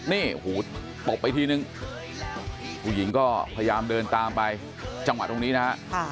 นี่หูตบไปทีนึงผู้หญิงก็พยายามเดินตามไปจังหวะตรงนี้นะฮะ